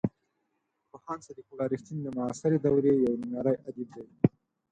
پوهاند صدیق الله رښتین د معاصرې دورې یو نومیالی ادیب دی.